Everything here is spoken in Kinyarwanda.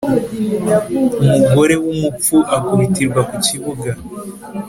Umugore w’umupfu akubitirwa ku ibuga.